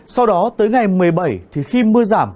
sau đó tới ngày một mươi bảy thì khi mưa giảm